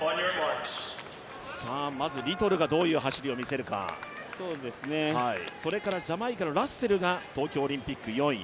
まずリトルがどういう走りを見せせるかそれからジャマイカのラッセルが東京オリンピック４位。